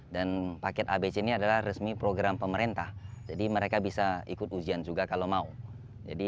dan paket abc ini adalah resmi program pemerintah jadi mereka bisa ikut ujian juga kalau mau jadi